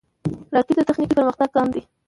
راکټ د تخنیکي پرمختګ ګام دی